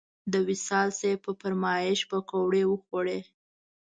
د وصال صیب په فرمایش پکوړې وخوړې.